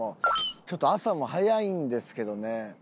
ちょっと朝も早いんですけどね。